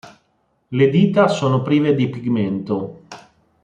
Le dita sono prive di pigmento.